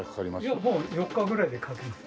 いやもう４日ぐらいで描けます。